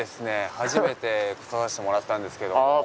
初めて来させてもらったんですけども。